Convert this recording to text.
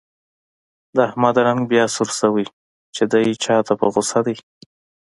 د احمد رنګ بیا سور شوی، چې دی چا ته په غوسه دی.